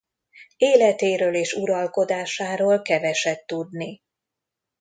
Életéről és uralkodásáról keveset tudni.